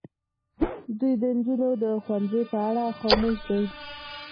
دوی د نجونو د ښوونځي په اړه خاموش دي.